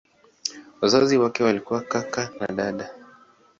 Wazazi wake walikuwa kaka na dada.